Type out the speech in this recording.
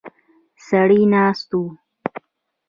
سړی ناست و.